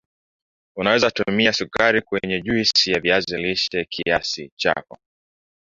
unaweza tumia Sukari kwenye juisi ya viazi lishe kisi chako